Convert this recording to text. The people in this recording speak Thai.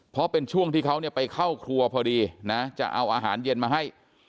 เพราะเป็นช่วงที่เขาไปเข้าครัวพอดีนะจะเอาอาหารเย็นมาให้